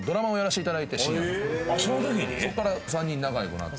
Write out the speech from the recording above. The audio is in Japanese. そっから３人仲良くなって。